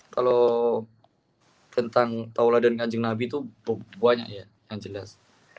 kalau tentang taula dan kanjeng nabi itu banyak ya yang jelas